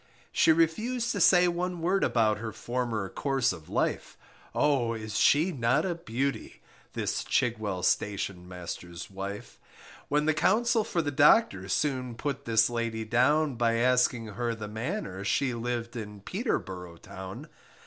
She refused to say one word about Her former course of life; Oh, is she not a beauty! This Chigwell Station master's wife When the Counsel for the Docter, Soon put this lady down, By asking her the manner She lived in Peterborough town.